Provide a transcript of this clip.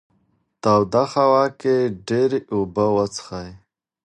توده هوا کې ډېرې اوبه وڅښئ.